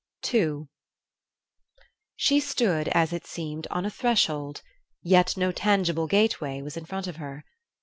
II. She stood, as it seemed, on a threshold, yet no tangible gateway was in front of her.